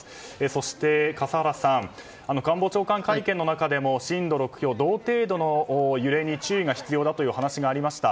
そして、笠原さん官房長官会見の中でも震度６強同程度の揺れに注意が必要という話がありました。